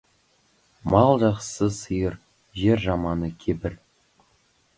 Мал жақсысы — сиыр, жер жаманы — кебір.